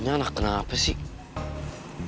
ini anak kenapa sih